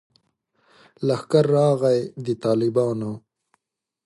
لښکر راغلی د طالبانو